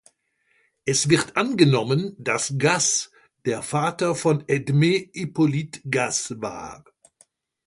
Es wird angenommen, dass Gasse der Vater von Edme-Hippolyte Gasse war.